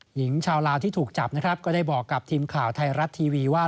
หญิงชาวลาวที่ถูกจับนะครับก็ได้บอกกับทีมข่าวไทยรัฐทีวีว่า